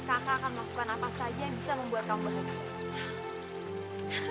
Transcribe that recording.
kakak akan melakukan apa saja yang bisa membuat kamu berhenti